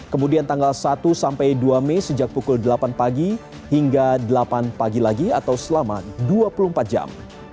kemudian tanggal satu sampai dua mei sejak pukul delapan pagi hingga delapan pagi lagi atau selama dua puluh empat jam